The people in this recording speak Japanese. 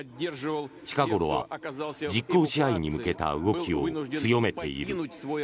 近頃は実効支配に向けた動きを強めている。